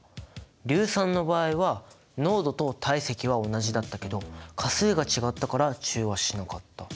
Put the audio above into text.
硫酸の場合は濃度と体積は同じだったけど価数が違ったから中和しなかった。